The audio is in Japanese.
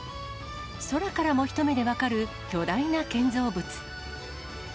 空からも一目で分かる、巨大な建造物。